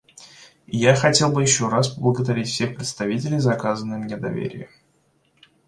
И я хотел бы еще раз поблагодарить всех представителей за оказанное мне доверие.